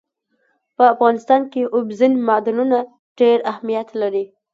په افغانستان کې اوبزین معدنونه ډېر اهمیت لري.